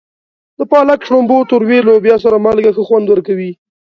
د پالک، شړومبو، تورې لوبیا سره مالګه ښه خوند ورکوي.